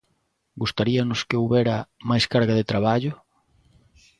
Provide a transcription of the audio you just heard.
¿Gustaríanos que houbera máis carga de traballo?